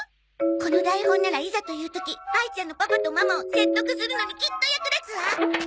この台本ならいざという時あいちゃんのパパとママを説得するのにきっと役立つわ！